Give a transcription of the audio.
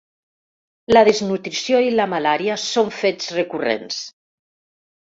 La desnutrició i la malària són fets recurrents.